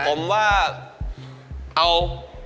ผมว่าเอา